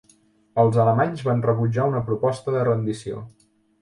Els alemanys van rebutjar una proposta de rendició.